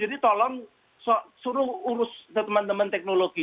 jadi tolong suruh urus teman teman teknologi